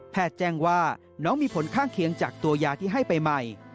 แจ้งว่าน้องมีผลข้างเคียงจากตัวยาที่ให้ไปใหม่